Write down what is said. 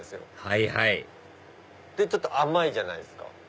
はいはいでちょっと甘いじゃないですか。